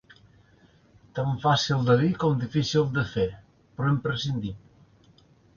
Tan fàcil de dir com difícil de fer, però imprescindible.